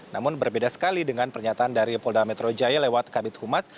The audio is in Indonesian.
namun berbeda sekali dengan pernyataan dari polda metro jaya lewat kabit humas